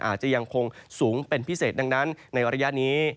อาจจะยังคงสูงเป็นพิเศษดังนั้นในระยะนี้